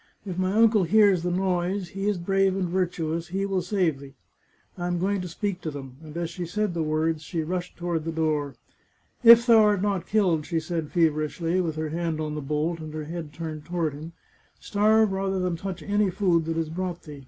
If my uncle hears the noise — he is brave and virtuous — he will save thee. I am going to speak to them !" and as she said the words, she rushed toward the door. " If thou art not killed," she said feverishly, with her hand on the bolt and her head turned toward him, " starve rather than touch any food that is brought thee.